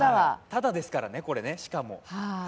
ただですからね、しかも。